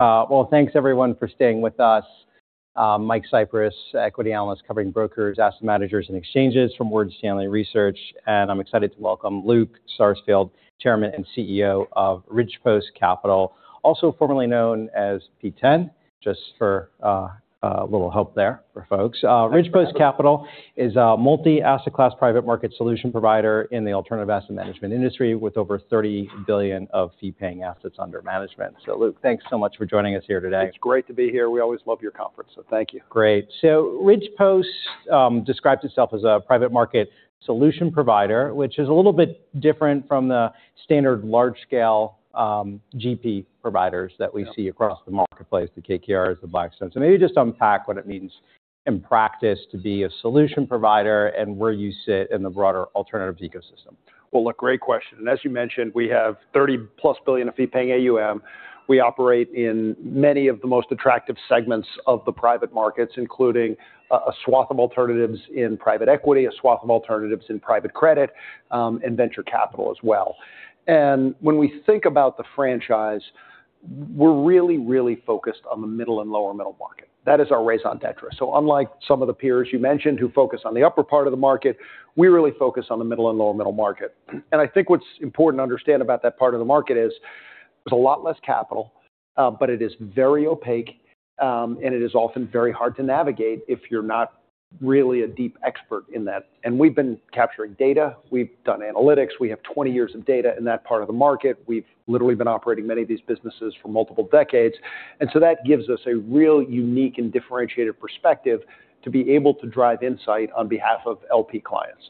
Well, thanks everyone for staying with us. Mike Cyprys, Equity Analyst covering Brokers, Asset Managers, and Exchanges from Morgan Stanley Research. I'm excited to welcome Luke Sarsfield, Chairman and CEO of Ridgepost Capital, also formerly known as P10, just for a little help there for folks. Ridgepost Capital is a multi-asset class private market solution provider in the alternative asset management industry with over $30 billion of fee-paying assets under management. Luke, thanks so much for joining us here today. It's great to be here. We always love your conference. Thank you. Great. Ridgepost describes itself as a private market solution provider, which is a little bit different from the standard large-scale GP providers that we see- Yeah across the marketplace, the KKRs, the Blackstone. Maybe just unpack what it means in practice to be a solution provider and where you sit in the broader alternatives ecosystem. Well, look, great question. As you mentioned, we have $30-plus billion of fee-paying AUM. We operate in many of the most attractive segments of the Private markets, including a swath of alternatives in Private Equity, a swath of alternatives in Private Credit, and Venture Capital as well. When we think about the franchise, we're really focused on the middle and lower middle market. That is our raison d'etre. Unlike some of the peers you mentioned who focus on the upper part of the market, we really focus on the middle and lower middle market. I think what's important to understand about that part of the market is there's a lot less capital, but it is very opaque, and it is often very hard to navigate if you're not really a deep expert in that. We've been capturing data, we've done analytics. We have 20 years of data in that part of the market. We've literally been operating many of these businesses for multiple decades. That gives us a real unique and differentiated perspective to be able to drive insight on behalf of LP clients.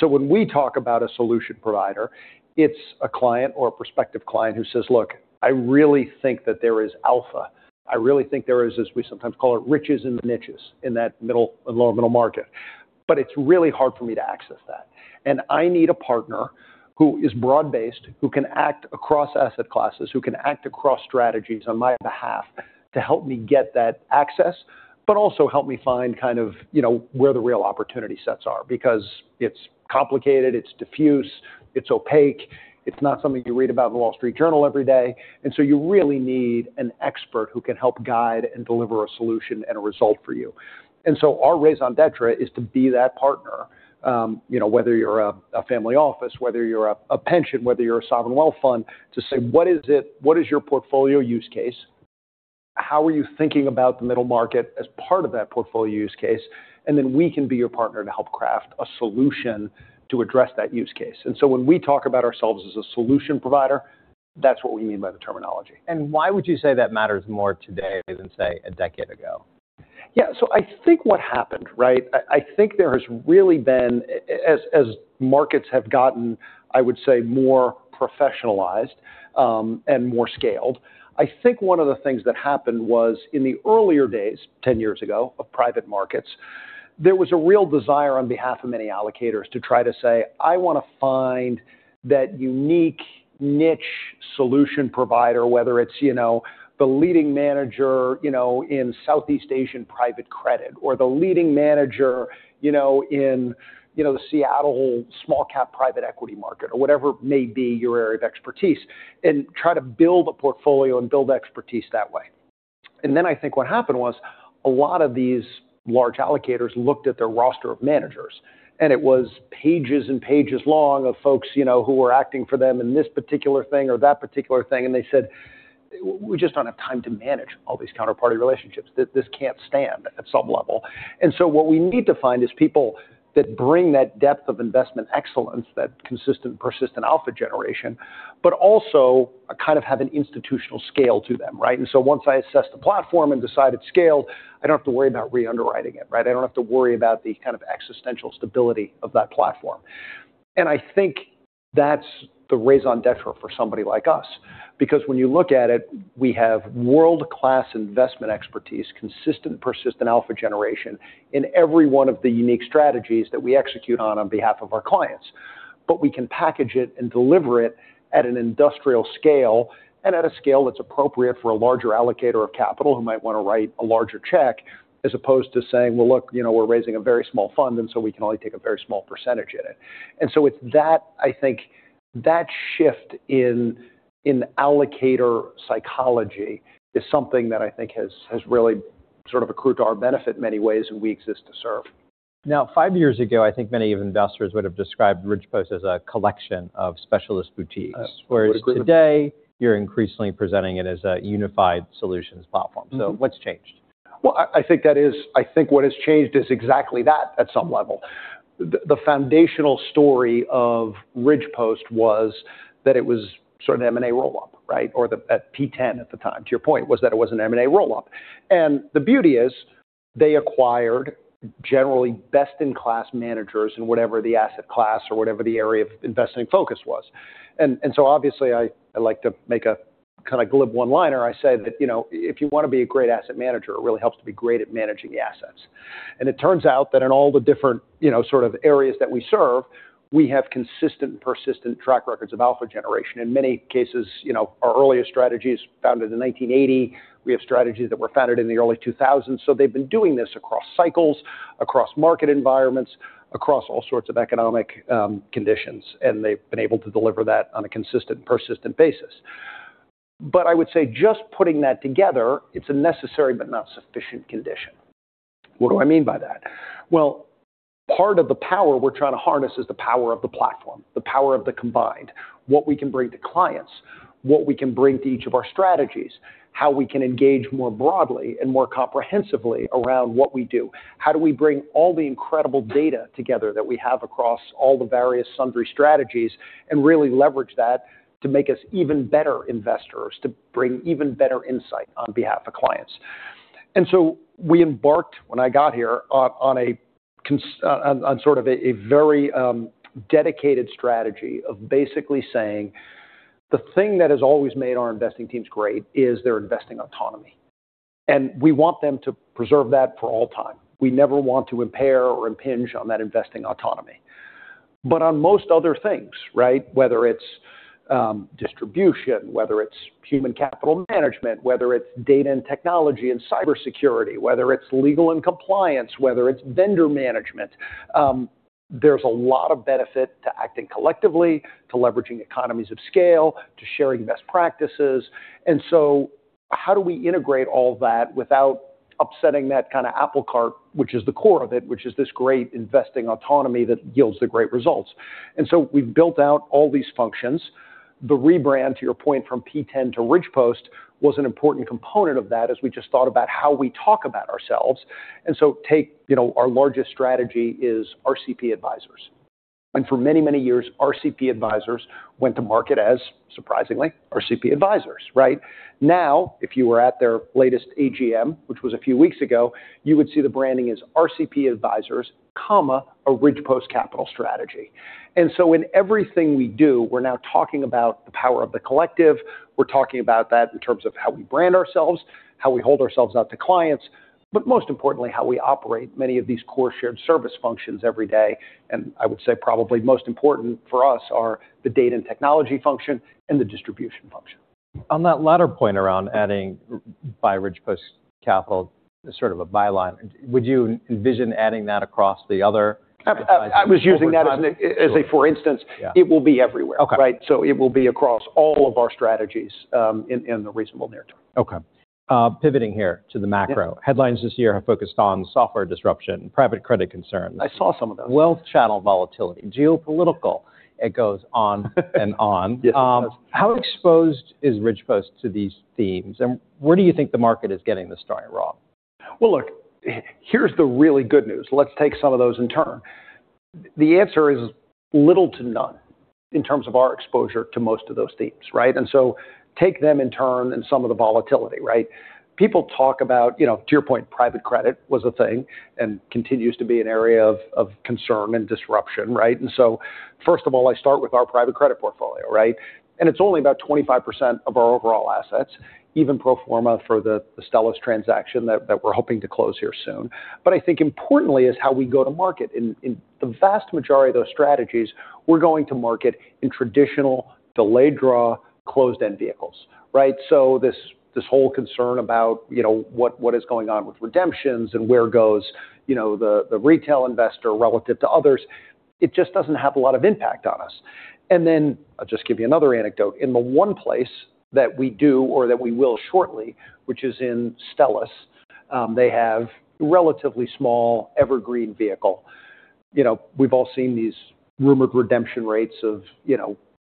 When we talk about a solution provider, it's a client or a prospective client who says, "Look, I really think that there is alpha. I really think there is," as we sometimes call it, "riches in the niches in that middle and lower middle market. It's really hard for me to access that. I need a partner who is broad-based, who can act across asset classes, who can act across strategies on my behalf to help me get that access, but also help me find where the real opportunity sets are because it's complicated, it's diffuse, it's opaque. It's not something you read about in The Wall Street Journal every day. You really need an expert who can help guide and deliver a solution and a result for you." Our raison d'etre is to be that partner, whether you're a family office, whether you're a pension, whether you're a sovereign wealth fund, to say, "What is your portfolio use case? How are you thinking about the middle market as part of that portfolio use case?" Then we can be your partner to help craft a solution to address that use case. When we talk about ourselves as a solution provider, that's what we mean by the terminology. Why would you say that matters more today than, say, a decade ago? Yeah. I think what happened, right, I think there has really been, as markets have gotten, I would say, more professionalized and more scaled, I think one of the things that happened was in the earlier days, 10 years ago, of Private markets, there was a real desire on behalf of many allocators to try to say, "I want to find that unique niche solution provider," whether it's the leading manager in Southeast Asian Private Credit or the leading manager in the Seattle small-cap Private Equity market or whatever may be your area of expertise, and try to build a portfolio and build expertise that way. I think what happened was a lot of these large allocators looked at their roster of Managers, and it was pages and pages long of folks who were acting for them in this particular thing or that particular thing. They said, "We just don't have time to manage all these counterparty relationships. This can't stand at some level." What we need to find is people that bring that depth of investment excellence, that consistent, persistent alpha generation, but also kind of have an institutional scale to them, right? Once I assess the platform and decide it's scaled, I don't have to worry about re-underwriting it, right? I don't have to worry about the kind of existential stability of that platform. I think that's the raison d'etre for somebody like us, because when you look at it, we have world-class investment expertise, consistent, persistent alpha generation in every one of the unique strategies that we execute on behalf of our clients. We can package it and deliver it at an industrial scale and at a scale that's appropriate for a larger allocator of capital who might want to write a larger check, as opposed to saying, "Well, look, we're raising a very small fund, and so we can only take a very small percentage in it." It's that, I think, that shift in allocator psychology is something that I think has really sort of accrued to our benefit in many ways, and we exist to serve. Now, five years ago, I think many investors would have described Ridgepost as a collection of specialist boutiques. I would agree. Today, you're increasingly presenting it as a unified solutions platform. What's changed? Well, I think what has changed is exactly that at some level. The foundational story of Ridgepost was that it was sort of an M&A roll-up, right? P10 at the time, to your point, was that it was an M&A roll-up. The beauty is they acquired generally best-in-class Managers in whatever the asset class or whatever the area of investing focus was. Obviously, I like to make a kind of glib one-liner. I say that if you want to be a great Asset Manager, it really helps to be great at managing assets. It turns out that in all the different sort of areas that we serve, we have consistent, persistent track records of alpha generation. In many cases, our earliest strategy is founded in 1980. We have strategies that were founded in the early 2000s. They've been doing this across cycles, across market environments, across all sorts of economic conditions, and they've been able to deliver that on a consistent and persistent basis. I would say just putting that together, it's a necessary but not sufficient condition. What do I mean by that? Well, part of the power we're trying to harness is the power of the platform, the power of the combined. What we can bring to clients, what we can bring to each of our strategies, how we can engage more broadly and more comprehensively around what we do. How do we bring all the incredible data together that we have across all the various sundry strategies, and really leverage that to make us even better investors, to bring even better insight on behalf of clients. We embarked, when I got here, on sort of a very dedicated strategy of basically saying the thing that has always made our investing teams great is their investing autonomy. We want them to preserve that for all time. We never want to impair or impinge on that investing autonomy. On most other things, right, whether it's distribution, whether it's human capital management, whether it's data and technology and cybersecurity, whether it's legal and compliance, whether it's vendor management, there's a lot of benefit to acting collectively, to leveraging economies of scale, to sharing best practices. How do we integrate all that without upsetting that kind of apple cart, which is the core of it, which is this great investing autonomy that yields the great results. We've built out all these functions. The rebrand, to your point, from P10 to Ridgepost, was an important component of that as we just thought about how we talk about ourselves. Take our largest strategy is RCP Advisors. For many, many years, RCP Advisors went to market as, surprisingly, RCP Advisors, right? Now, if you were at their latest AGM, which was a few weeks ago, you would see the branding as RCP Advisors, a Ridgepost Capital strategy. In everything we do, we're now talking about the power of the collective. We're talking about that in terms of how we brand ourselves, how we hold ourselves out to clients, but most importantly, how we operate many of these core shared service functions every day. I would say probably most important for us are the data and technology function and the distribution function. On that latter point around adding by Ridgepost Capital as sort of a byline, would you envision adding that across the other strategies forward? I was using that as a for instance. It will be everywhere, right? It will be across all of our strategies in the reasonable near-term. Okay. Pivoting here to the macro. Headlines this year have focused on software disruption, Private Credit concerns. I saw some of those. Wealth channel volatility, geopolitical. It goes on and on. Yes, it does. How exposed is Ridgepost to these themes, and where do you think the market is getting the story wrong? Well, look, here's the really good news. Let's take some of those in turn. The answer is little to none in terms of our exposure to most of those themes, right? Take them in turn and some of the volatility, right? People talk about, to your point, Private Credit was a thing and continues to be an area of concern and disruption, right? First of all, I start with our Private Credit portfolio, right? It's only about 25% of our overall assets, even pro forma for the Stellus transaction that we're hoping to close here soon. I think importantly is how we go to market. In the vast majority of those strategies, we're going to market in traditional delayed draw, closed-end vehicles, right? This whole concern about what is going on with redemptions and where goes the retail investor relative to others, it just doesn't have a lot of impact on us. I'll just give you another anecdote. In the one place that we do, or that we will shortly, which is in Stellus, they have relatively small evergreen vehicle. We've all seen these rumored redemption rates of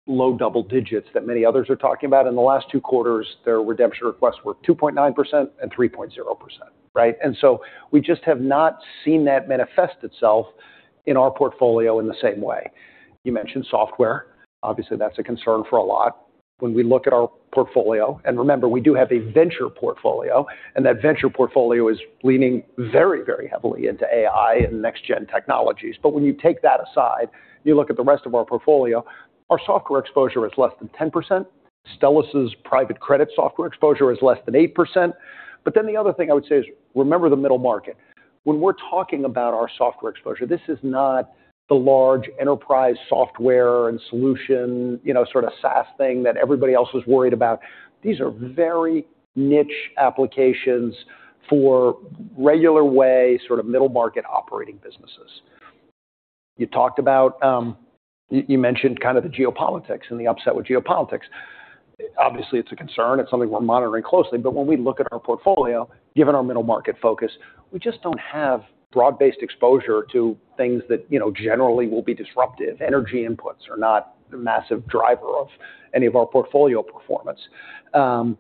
low double digits that many others are talking about. In the last two quarters, their redemption requests were 2.9% and 3.0%, right? We just have not seen that manifest itself in our portfolio in the same way. You mentioned software. Obviously, that's a concern for a lot. When we look at our portfolio, and remember, we do have a Venture portfolio, and that Venture portfolio is leaning very heavily into AI and next-gen technologies. When you take that aside, you look at the rest of our portfolio, our software exposure is less than 10%. Stellus' Private Credit software exposure is less than 8%. The other thing I would say is remember the middle market. When we're talking about our software exposure, this is not the large enterprise software and solution sort of SaaS thing that everybody else was worried about. These are very niche applications for regular way, sort of middle-market operating businesses. You mentioned kind of the geopolitics and the upset with geopolitics. Obviously, it's a concern. It's something we're monitoring closely. When we look at our portfolio, given our middle-market focus, we just don't have broad-based exposure to things that generally will be disruptive. Energy inputs are not a massive driver of any of our portfolio performance. Even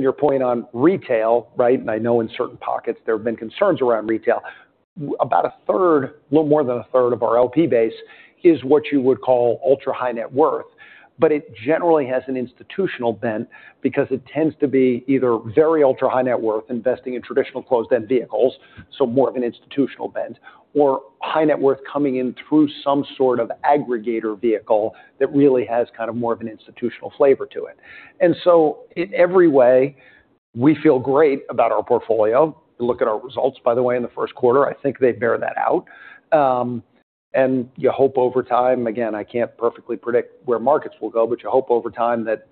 your point on retail, right? I know in certain pockets, there have been concerns around retail. About 1/3, a little more than 1/3 of our LP base is what you would call ultra high net worth. It generally has an institutional bent because it tends to be either very ultra high net worth investing in traditional closed-end vehicles, so more of an institutional bent, or high net worth coming in through some sort of aggregator vehicle that really has kind of more of an institutional flavor to it. In every way, we feel great about our portfolio. Look at our results, by the way, in the first quarter. I think they bear that out. You hope over time, again, I can't perfectly predict where markets will go, but you hope over time that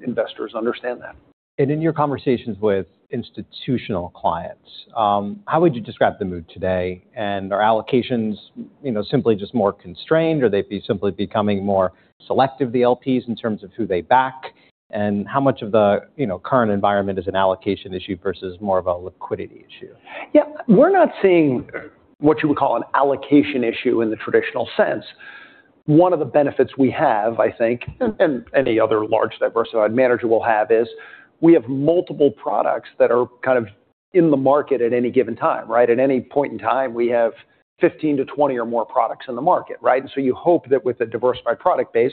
investors understand that. In your conversations with institutional clients, how would you describe the mood today? Are allocations simply just more constrained, or are they simply becoming more selective, the LPs, in terms of who they back? How much of the current environment is an allocation issue versus more of a liquidity issue? We're not seeing what you would call an allocation issue in the traditional sense. One of the benefits we have, I think, and any other large diversified manager will have is, we have multiple products that are in the market at any given time, right? At any point in time, we have 15 to 20 or more products in the market, right? You hope that with a diversified product base,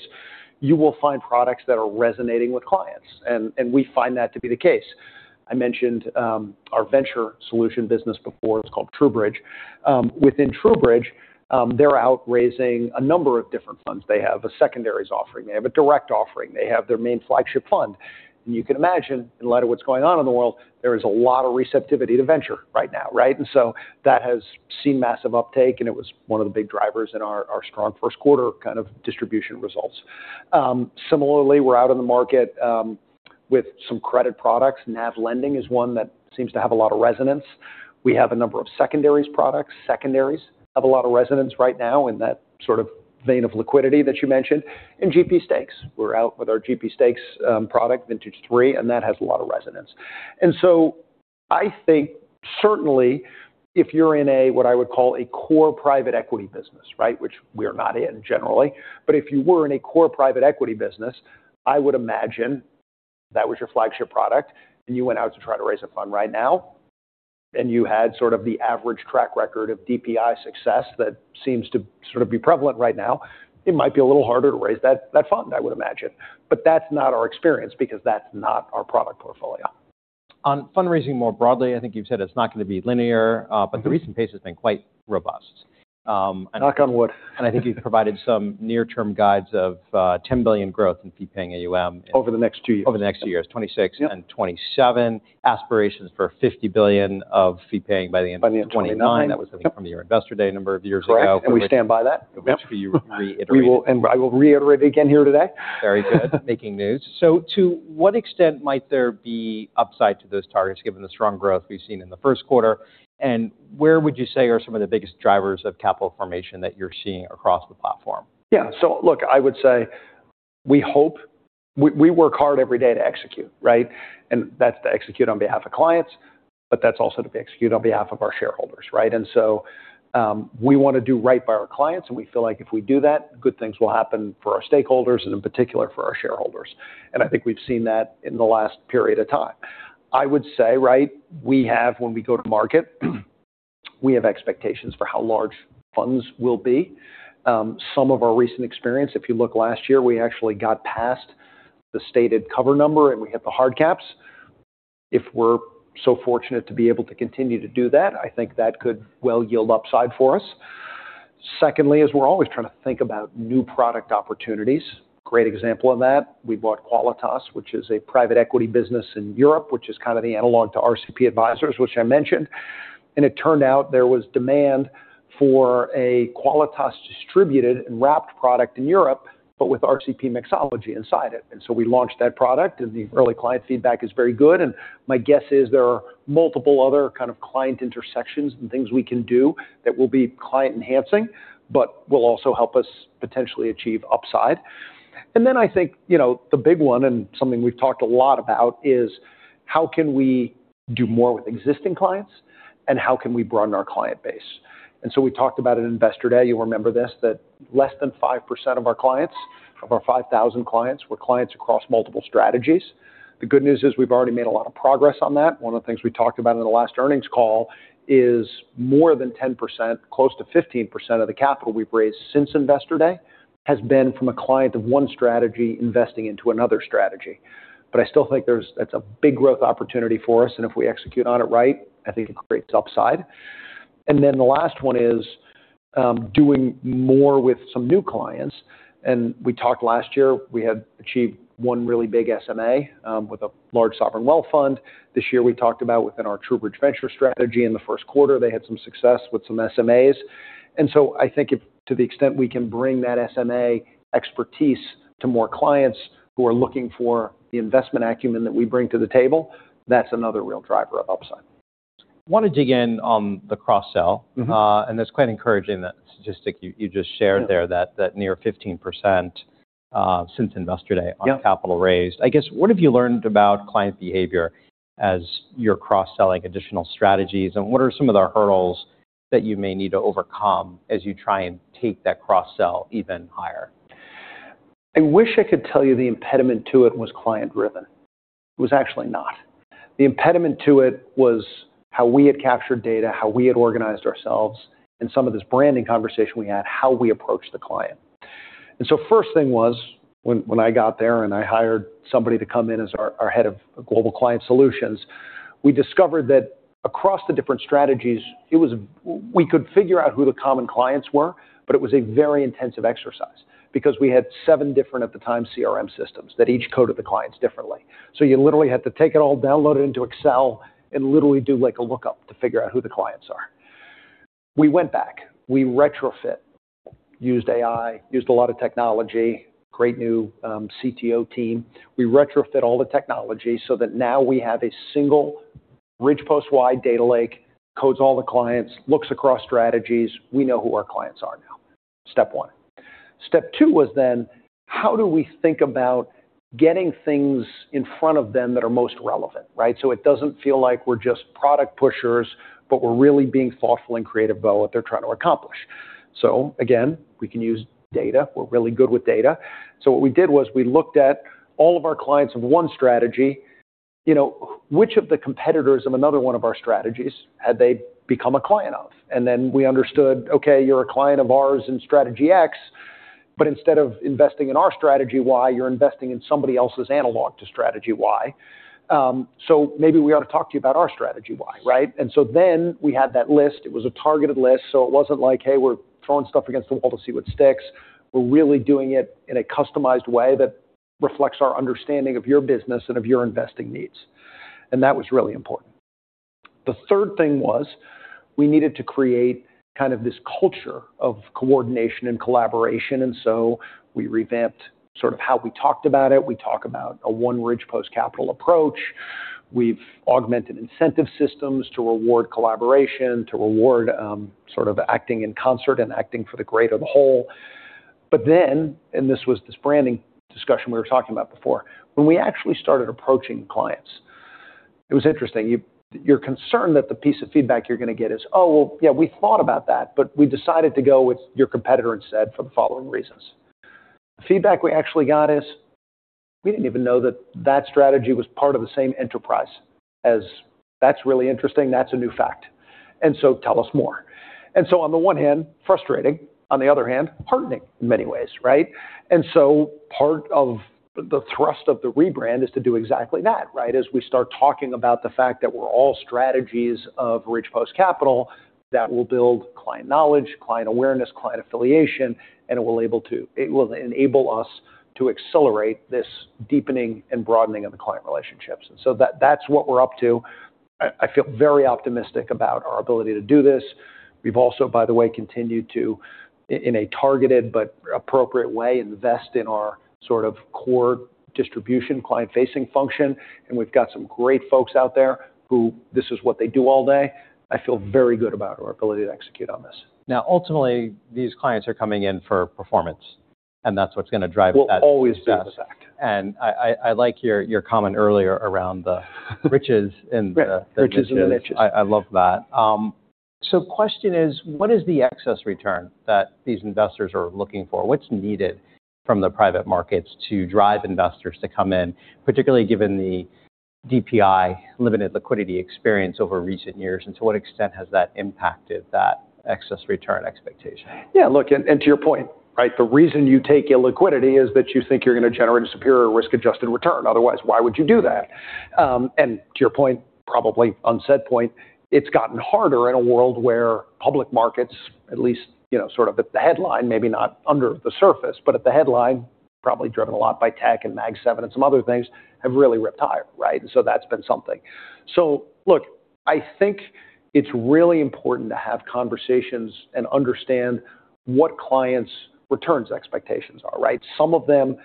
you will find products that are resonating with clients. We find that to be the case. I mentioned our Venture Solution business before. It's called TrueBridge. Within TrueBridge, they're out raising a number of different funds. They have a secondaries offering. They have a direct offering. They have their main flagship fund. You can imagine, in light of what's going on in the world, there is a lot of receptivity to venture right now, right? That has seen massive uptake, and it was one of the big drivers in our strong first quarter distribution results. Similarly, we're out in the market with some credit products. NAV Lending is one that seems to have a lot of resonance. We have a number of secondaries products. Secondaries have a lot of resonance right now in that vein of liquidity that you mentioned. GP stakes. We're out with our GP stakes product, Vintage III, that has a lot of resonance. I think certainly if you're in a, what I would call a core Private Equity business, right, which we are not in generally, but if you were in a core Private Equity business, I would imagine that was your flagship product, and you went out to try to raise a fund right now, and you had sort of the average track record of DPI success that seems to be prevalent right now, it might be a little harder to raise that fund, I would imagine. That's not our experience because that's not our product portfolio. On fundraising more broadly, I think you've said it's not going to be linear. The recent pace has been quite robust. Knock on wood. I think you've provided some near-term guides of $10 billion growth in fee-paying AUM. Over the next two years. over the next two years, 2026 and 2027. Aspirations for $50 billion of fee-paying by the end of. By the end of 2029. 2029. That was I think from your Investor Day a number of years ago. Correct. We stand by that. Which you reiterated. I will reiterate it again here today. Very good. Making news. To what extent might there be upside to those targets given the strong growth we've seen in the first quarter? Where would you say are some of the biggest drivers of capital formation that you're seeing across the platform? Yeah. Look, I would say we work hard every day to execute, right? That's to execute on behalf of clients, but that's also to execute on behalf of our shareholders, right? We want to do right by our clients, and we feel like if we do that, good things will happen for our stakeholders and, in particular, for our shareholders. I think we've seen that in the last period of time. I would say, right, when we go to market, we have expectations for how large funds will be. Some of our recent experience, if you look last year, we actually got past the stated cover number, and we hit the hard caps. If we're so fortunate to be able to continue to do that, I think that could well yield upside for us. Secondly is we're always trying to think about new product opportunities. Great example of that, we bought Qualitas, which is a Private Equity business in Europe, which is kind of the analog to RCP Advisors, which I mentioned. It turned out there was demand for a Qualitas distributed and wrapped product in Europe, but with RCP mixology inside it. We launched that product, and the early client feedback is very good, and my guess is there are multiple other client intersections and things we can do that will be client enhancing, but will also help us potentially achieve upside. I think the big one, and something we've talked a lot about is how can we do more with existing clients, and how can we broaden our client base? We talked about at Investor Day, you'll remember this, that less than 5% of our clients, of our 5,000 clients, were clients across multiple strategies. The good news is we've already made a lot of progress on that. One of the things we talked about in the last earnings call is more than 10%, close to 15% of the capital we've raised since Investor Day has been from a client of one strategy investing into another strategy. I still think that's a big growth opportunity for us, and if we execute on it right, I think it creates upside. The last one is doing more with some new clients. We talked last year, we had achieved one really big SMA, with a large sovereign wealth fund. This year, we talked about within our TrueBridge Venture strategy in the first quarter, they had some success with some SMAs. I think if to the extent we can bring that SMA expertise to more clients who are looking for the investment acumen that we bring to the table, that's another real driver of upside. I want to dig in on the cross-sell. That's quite encouraging, that statistic you just shared there. That near 15%, since Investor Day. On capital raised. I guess, what have you learned about client behavior as you're cross-selling additional strategies, and what are some of the hurdles that you may need to overcome as you try and take that cross-sell even higher? I wish I could tell you the impediment to it was client driven. It was actually not. The impediment to it was how we had captured data, how we had organized ourselves, and some of this branding conversation we had, how we approached the client. First thing was when I got there, and I hired somebody to come in as our Head of Global Client Solutions, we discovered that across the different strategies, we could figure out who the common clients were, but it was a very intensive exercise because we had seven different, at the time, CRM systems that each coded the clients differently. You literally had to take it all, download it into Excel, and literally do a lookup to figure out who the clients are. We went back. We retrofit, used AI, used a lot of technology, great new CTO team. We retrofit all the technology so that now we have a single Ridgepost-wide data lake, codes all the clients, looks across strategies. We know who our clients are now. Step one. Step two was then how do we think about getting things in front of them that are most relevant, right? It doesn't feel like we're just product pushers, but we're really being thoughtful and creative about what they're trying to accomplish. Again, we can use data. We're really good with data. What we did was we looked at all of our clients of one strategy, which of the competitors of another one of our strategies had they become a client of? Then we understood, okay, you're a client of ours in strategy X, but instead of investing in our strategy Y, you're investing in somebody else's analog to strategy Y. Maybe we ought to talk to you about our strategy Y, right? We had that list. It was a targeted list, so it wasn't like, hey, we're throwing stuff against the wall to see what sticks. We're really doing it in a customized way that reflects our understanding of your business and of your investing needs. That was really important. The third thing was we needed to create kind of this culture of coordination and collaboration, we revamped sort of how we talked about it. We talk about a one Ridgepost Capital approach. We've augmented incentive systems to reward collaboration, to reward sort of acting in concert and acting for the greater the whole. This was this branding discussion we were talking about before, when we actually started approaching clients, it was interesting. You're concerned that the piece of feedback you're going to get is, "Oh, well, yeah, we thought about that, but we decided to go with your competitor instead for the following reasons." The feedback we actually got is, "We didn't even know that that strategy was part of the same enterprise as-- That's really interesting. That's a new fact. Tell us more." On the one hand, frustrating, on the other hand, heartening in many ways, right? Part of the thrust of the rebrand is to do exactly that, right? As we start talking about the fact that we're all strategies of Ridgepost Capital, that will build client knowledge, client awareness, client affiliation, and it will enable us to accelerate this deepening and broadening of the client relationships. That's what we're up to. I feel very optimistic about our ability to do this. We've also, by the way, continued to, in a targeted but appropriate way, invest in our sort of core distribution client-facing function, and we've got some great folks out there who this is what they do all day. I feel very good about our ability to execute on this. Now, ultimately, these clients are coming in for performance, and that's what's going to drive that success. Will always be the fact. I like your comment earlier around the riches and the niches. Right. Riches and the niches. I love that. Question is, what is the excess return that these investors are looking for? What's needed from the Private markets to drive investors to come in, particularly given the DPI limited liquidity experience over recent years? To what extent has that impacted that excess return expectation? Yeah, look, to your point, right, the reason you take illiquidity is that you think you're going to generate a superior risk-adjusted return. Otherwise, why would you do that? To your point, probably unsaid point, it's gotten harder in a world where public markets, at least sort of at the headline, maybe not under the surface, but at the headline, probably driven a lot by tech and Magnificent Seven and some other things, have really ripped higher, right? That's been something. Look, I think it's really important to have conversations and understand what clients' returns expectations are, right? Some of them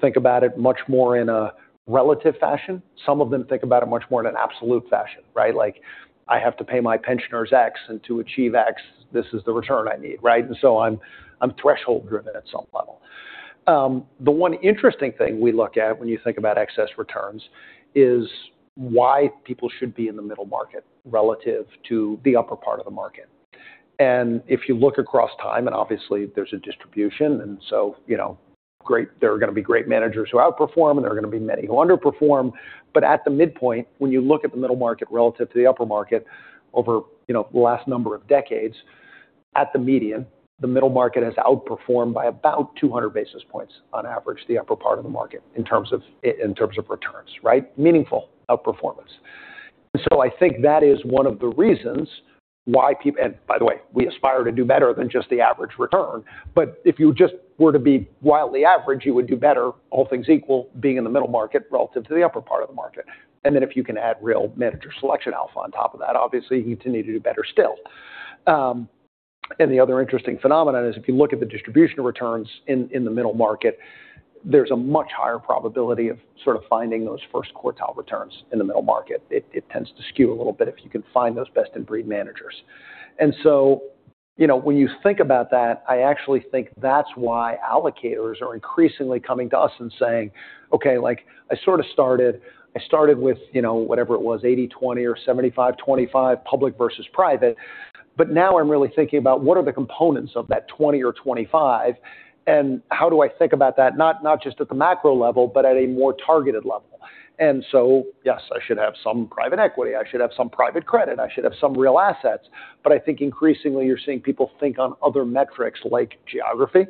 think about it much more in a relative fashion. Some of them think about it much more in an absolute fashion, right? Like, I have to pay my pensioners X, and to achieve X, this is the return I need, right? I'm threshold-driven at some level. The one interesting thing we look at when you think about excess returns is why people should be in the middle market relative to the upper part of the market. If you look across time, obviously there's a distribution, so there are going to be great Managers who outperform, and there are going to be many who underperform. At the midpoint, when you look at the middle market relative to the upper market over the last number of decades, at the median, the middle market has outperformed by about 200 basis points on average, the upper part of the market in terms of returns, right? Meaningful outperformance. I think that is one of the reasons why. By the way, we aspire to do better than just the average return. If you just were to be wildly average, you would do better, all things equal, being in the middle market relative to the upper part of the market. If you can add real manager selection alpha on top of that, obviously you need to do better still. The other interesting phenomenon is if you look at the distribution of returns in the middle market, there's a much higher probability of sort of finding those first quartile returns in the middle market. It tends to skew a little bit if you can find those best-in-breed Managers. When you think about that, I actually think that's why allocators are increasingly coming to us and saying, "Okay, I sort of started with whatever it was, 80/20 or 75/25 public versus private, but now I'm really thinking about what are the components of that 20 or 25, and how do I think about that not just at the macro level, but at a more targeted level." Yes, I should have some Private Equity, I should have some Private Credit, I should have some real assets. I think increasingly you're seeing people think on other metrics like geography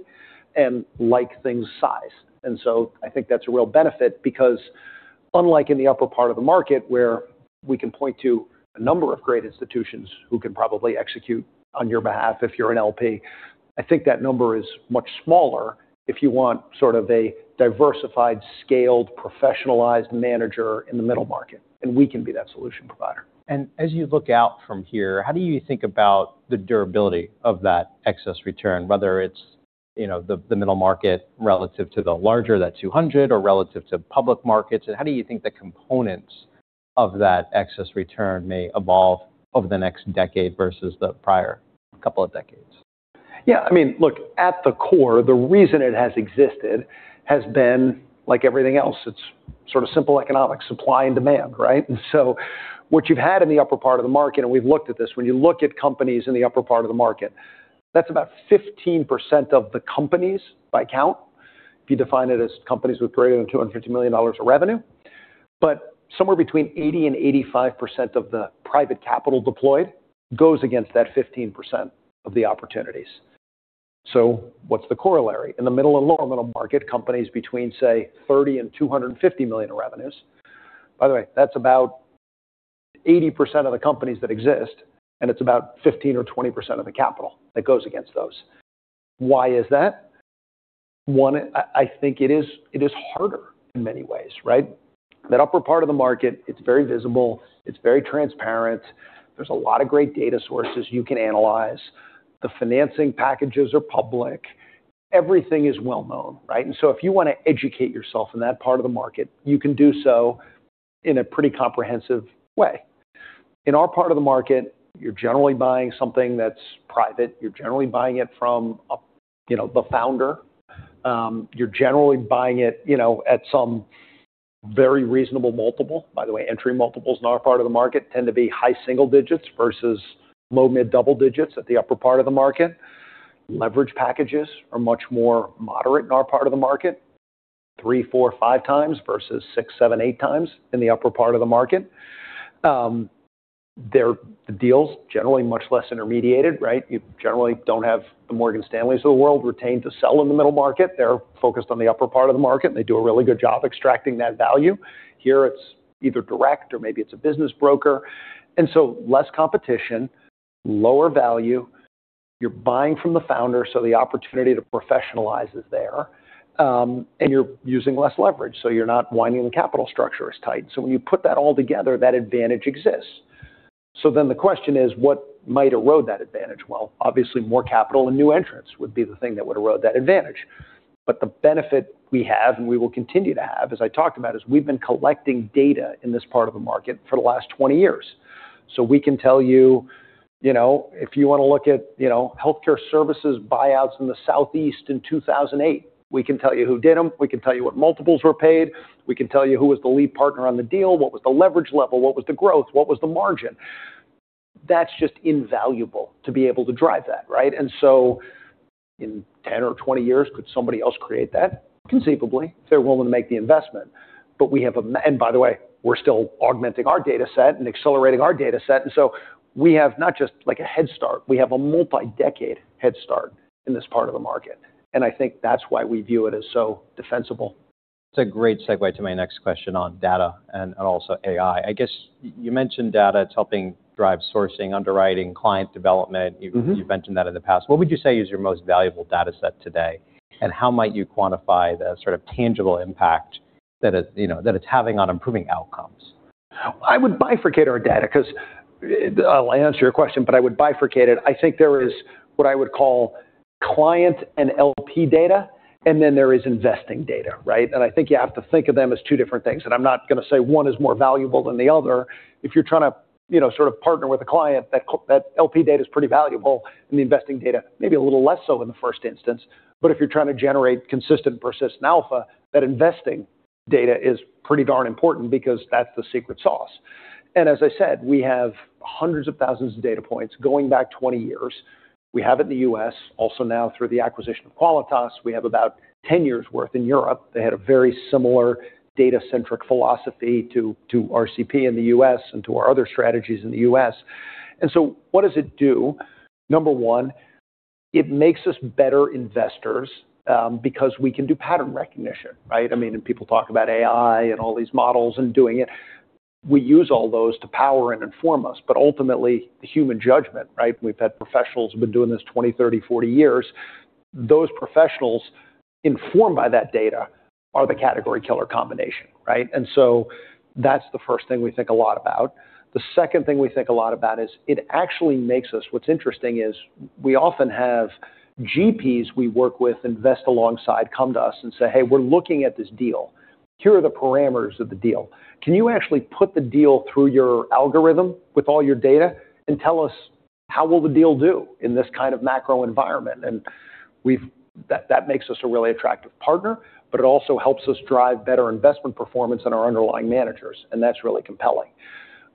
and like things size. I think that's a real benefit because unlike in the upper part of the market, where we can point to a number of great institutions who can probably execute on your behalf if you're an LP, I think that number is much smaller if you want sort of a diversified, scaled, professionalized manager in the middle market, and we can be that solution provider. As you look out from here, how do you think about the durability of that excess return, whether it's the middle market relative to the larger, that 200, or relative to public markets? How do you think the components of that excess return may evolve over the next decade versus the prior couple of decades? Yeah. Look, at the core, the reason it has existed has been like everything else. It's sort of simple economics, supply and demand, right? What you've had in the upper part of the market, and we've looked at this, when you look at companies in the upper part of the market, that's about 15% of the companies by count, if you define it as companies with greater than $250 million of revenue. Somewhere between 80% and 85% of the private capital deployed goes against that 15% of the opportunities. What's the corollary? In the middle and lower middle market, companies between, say, $30 million and $250 million of revenues. By the way, that's about 80% of the companies that exist, and it's about 15% or 20% of the capital that goes against those. Why is that? One, I think it is harder in many ways, right? That upper part of the market, it's very visible, it's very transparent. There's a lot of great data sources you can analyze. The financing packages are public. Everything is well-known, right? If you want to educate yourself in that part of the market, you can do so in a pretty comprehensive way. In our part of the market, you're generally buying something that's private. You're generally buying it from the founder. You're generally buying it at some very reasonable multiple. By the way, entry multiples in our part of the market tend to be high single-digits versus low mid double-digits at the upper part of the market. Leverage packages are much more moderate in our part of the market, three, four, five times versus six, seven, eight times in the upper part of the market. The deals, generally much less intermediated, right? You generally don't have the Morgan Stanleys of the world retained to sell in the middle market. They're focused on the upper part of the market, and they do a really good job extracting that value. Here, it's either direct or maybe it's a business broker, less competition, lower value. You're buying from the founder, so the opportunity to professionalize is there. You're using less leverage, so you're not winding the capital structure as tight. When you put that all together, that advantage exists. The question is, what might erode that advantage? Well, obviously, more capital and new entrants would be the thing that would erode that advantage. The benefit we have, and we will continue to have, as I talked about, is we've been collecting data in this part of the market for the last 20 years. We can tell you, if you want to look at healthcare services buyouts in the Southeast in 2008, we can tell you who did them. We can tell you what multiples were paid. We can tell you who was the lead partner on the deal, what was the leverage level, what was the growth, what was the margin. That's just invaluable to be able to drive that, right? In 10 or 20 years, could somebody else create that? Conceivably, if they're willing to make the investment. By the way, we're still augmenting our data set and accelerating our data set, and so we have not just like a head start, we have a multi-decade head start in this part of the market. I think that's why we view it as so defensible. It's a great segue to my next question on data and also AI. I guess you mentioned data. It's helping drive sourcing, underwriting, client development. You've mentioned that in the past. What would you say is your most valuable data set today, and how might you quantify the sort of tangible impact that it's having on improving outcomes? I would bifurcate our data because I'll answer your question, but I would bifurcate it. I think there is what I would call client and LP data, and then there is investing data, right? I think you have to think of them as two different things, and I'm not going to say one is more valuable than the other. If you're trying to partner with a client, that LP data's pretty valuable, and the investing data, maybe a little less so in the first instance. If you're trying to generate consistent versus alpha, that investing data is pretty darn important because that's the secret sauce. As I said, we have hundreds of thousands of data points going back 20 years. We have it in the U.S., also now through the acquisition of Qualitas, we have about 10 years' worth in Europe. They had a very similar data-centric philosophy to RCP in the U.S. and to our other strategies in the U.S. What does it do? Number one, it makes us better investors because we can do pattern recognition, right? People talk about AI and all these models and doing it. We use all those to power and inform us. Ultimately, human judgment, right? We've had professionals who've been doing this 20, 30, 40 years. Those professionals informed by that data are the category killer combination, right? That's the first thing we think a lot about. The second thing we think a lot about is What's interesting is we often have GPs we work with, invest alongside, come to us and say, "Hey, we're looking at this deal. Here are the parameters of the deal. Can you actually put the deal through your algorithm with all your data and tell us how will the deal do in this kind of macro environment?" That makes us a really attractive partner, but it also helps us drive better investment performance in our underlying managers, and that's really compelling.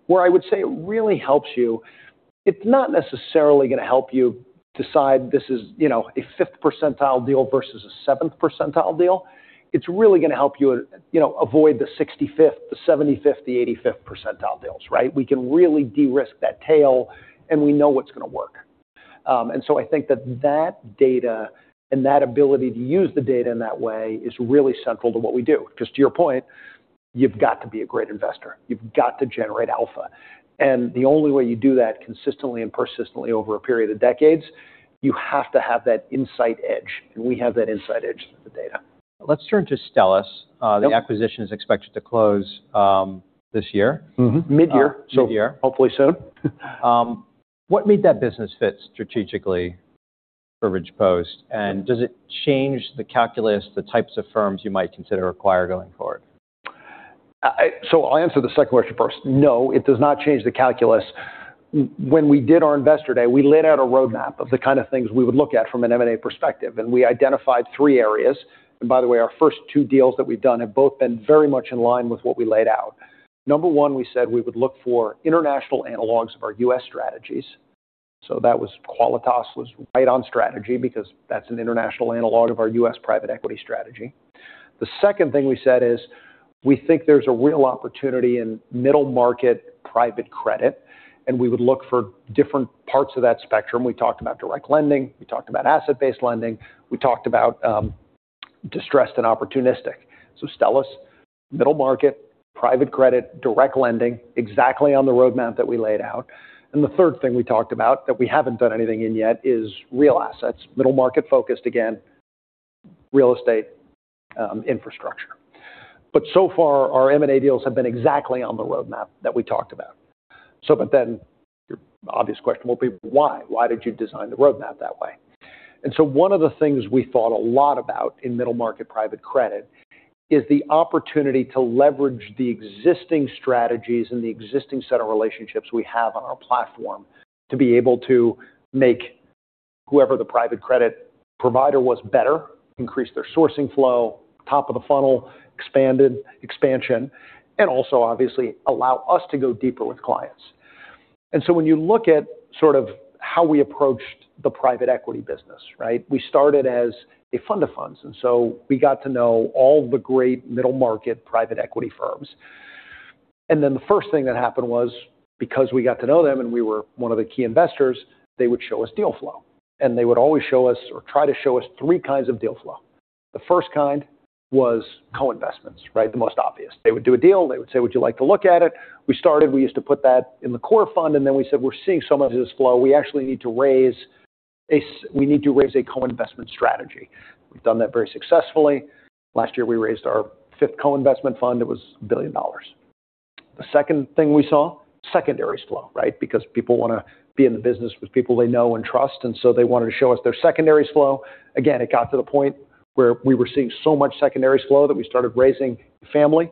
Where I would say it really helps you, it's not necessarily going to help you decide this is a 5th percentile deal versus a 7th percentile deal. It's really going to help you avoid the 65th, the 75th, the 85th percentile deals, right? We can really de-risk that tail, and we know what's going to work. I think that that data and that ability to use the data in that way is really central to what we do. Because to your point. You've got to be a great investor. You've got to generate alpha. The only way you do that consistently and persistently over a period of decades, you have to have that insight edge, and we have that insight edge with the data. Let's turn to Stellus. The acquisition is expected to close this year. Mid-year. Mid-year. Hopefully soon. What made that business fit strategically for Ridgepost? Does it change the calculus, the types of firms you might consider acquire going forward? I'll answer the second question first. No, it does not change the calculus. When we did our Investor Day, we laid out a roadmap of the kind of things we would look at from an M&A perspective, and we identified three areas. By the way, our first two deals that we've done have both been very much in line with what we laid out. Number one, we said we would look for international analogs of our U.S. strategies. That was Qualitas was right on strategy because that's an international analog of our U.S. Private Equity strategy. The second thing we said is we think there's a real opportunity in middle market Private Credit, and we would look for different parts of that spectrum. We talked about direct lending, we talked about asset-based lending, we talked about distressed and opportunistic. Stellus, middle market, Private Credit, direct lending, exactly on the roadmap that we laid out. The third thing we talked about that we haven't done anything in yet is real assets. Middle market-focused, again, real estate, infrastructure. So far, our M&A deals have been exactly on the roadmap that we talked about. Your obvious question will be why? Why did you design the roadmap that way? One of the things we thought a lot about in middle market Private Credit is the opportunity to leverage the existing strategies and the existing set of relationships we have on our platform to be able to make whoever the Private Credit provider was better, increase their sourcing flow, top of the funnel, expansion, and also obviously allow us to go deeper with clients. When you look at sort of how we approached the Private Equity business, right? We started as a fund of funds, and so we got to know all the great middle market Private Equity firms. The first thing that happened was because we got to know them and we were one of the key investors, they would show us deal flow, and they would always show us or try to show us three kinds of deal flow. The first kind was co-investments, right? The most obvious. They would do a deal, they would say, "Would you like to look at it?" We started, we used to put that in the core fund, and then we said, "We're seeing so much of this flow, we need to raise a co-investment strategy." We've done that very successfully. Last year, we raised our fifth co-investment fund. It was $1 billion. The second thing we saw, secondaries flow, right? Because people want to be in the business with people they know and trust, and so they wanted to show us their secondaries flow. Again, it got to the point where we were seeing so much secondaries flow that we started raising family.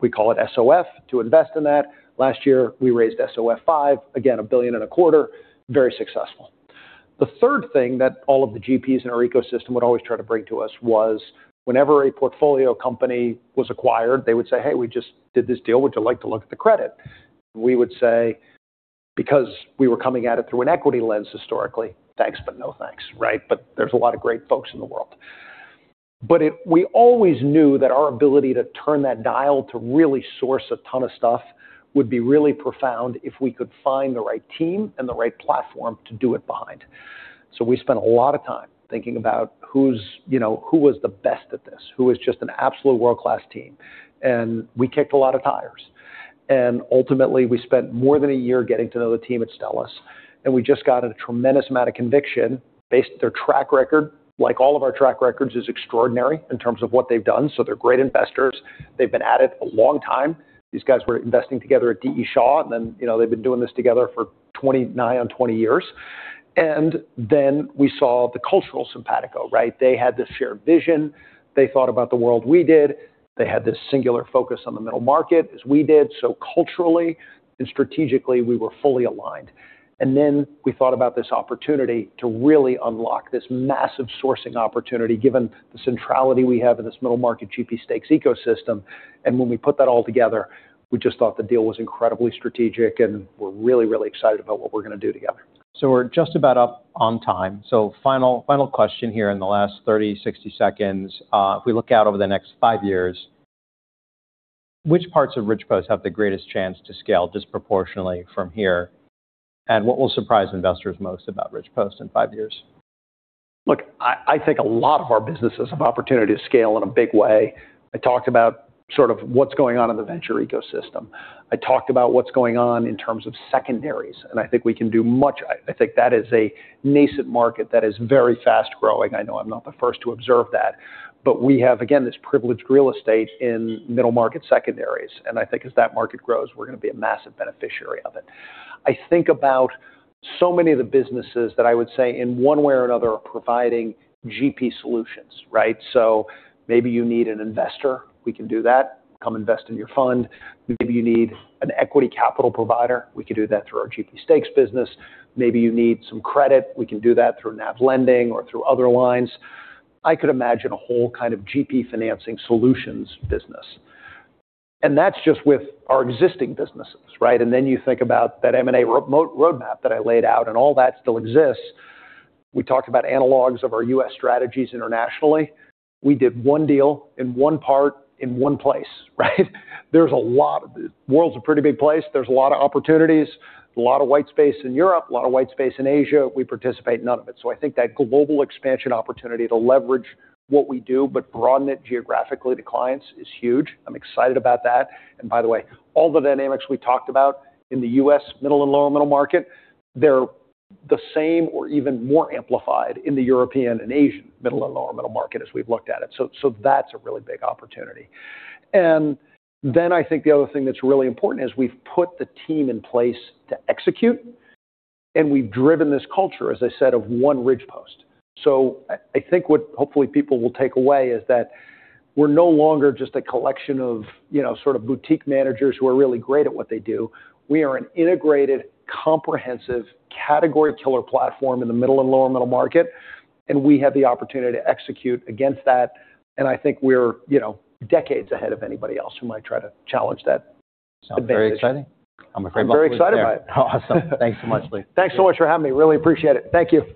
We call it SOF to invest in that. Last year, we raised SOF five, again, $1.25 billion. Very successful. The third thing that all of the GPs in our ecosystem would always try to bring to us was whenever a portfolio company was acquired, they would say, "Hey, we just did this deal. Would you like to look at the credit?" We would say, because we were coming at it through an equity lens historically, "Thanks, but no thanks," right? But there's a lot of great folks in the world. We always knew that our ability to turn that dial to really source a ton of stuff would be really profound if we could find the right team and the right platform to do it behind. We spent a lot of time thinking about who was the best at this, who was just an absolute world-class team. We kicked a lot of tires, and ultimately, we spent more than one year getting to know the team at Stellus, and we just got a tremendous amount of conviction based their track record, like all of our track records, is extraordinary in terms of what they've done. They're great investors. They've been at it a long time. These guys were investing together at D. E. Shaw, and then they've been doing this together for 20 years. We saw the cultural simpatico, right? They had this shared vision. They thought about the world we did. They had this singular focus on the middle market as we did. Culturally and strategically, we were fully aligned. We thought about this opportunity to really unlock this massive sourcing opportunity, given the centrality we have in this middle market GP stakes ecosystem. When we put that all together, we just thought the deal was incredibly strategic, and we're really, really excited about what we're going to do together. We're just about up on time. Final question here in the last 60 seconds. If we look out over the next five years, which parts of Ridgepost have the greatest chance to scale disproportionately from here? What will surprise investors most about Ridgepost in five years? I think a lot of our businesses have opportunity to scale in a big way. I talked about sort of what's going on in the Venture ecosystem. I talked about what's going on in terms of secondaries, I think we can do much. I think that is a nascent market that is very fast-growing. I know I'm not the first to observe that. We have, again, this privileged real estate in middle market secondaries, I think as that market grows, we're going to be a massive beneficiary of it. I think about so many of the businesses that I would say in one way or another are providing GP solutions, right? Maybe you need an investor. We can do that. Come invest in your fund. Maybe you need an equity capital provider. We can do that through our GP stakes business. Maybe you need some credit. We can do that through NAV Lending or through other lines. I could imagine a whole kind of GP financing solutions business. That's just with our existing businesses, right? You think about that M&A roadmap that I laid out, and all that still exists. We talked about analogs of our U.S. strategies internationally. We did one deal in one part in one place, right? The world's a pretty big place. There's a lot of opportunities, a lot of white space in Europe, a lot of white space in Asia. We participate in none of it. I think that global expansion opportunity to leverage what we do but broaden it geographically to clients is huge. I'm excited about that. By the way, all the dynamics we talked about in the U.S. middle and lower middle market, they're the same or even more amplified in the European and Asian middle and lower middle market as we've looked at it. That's a really big opportunity. I think the other thing that's really important is we've put the team in place to execute, and we've driven this culture, as I said, of one Ridgepost. I think what hopefully people will take away is that we're no longer just a collection of sort of boutique managers who are really great at what they do. We are an integrated, comprehensive, category killer platform in the middle and lower middle market, andwe have the opportunity to execute against that. I think we're decades ahead of anybody else who might try to challenge that advantage. Sounds very exciting. I'm very excited by it. Awesome. Thanks so much, Luke. Thanks so much for having me. Really appreciate it. Thank you.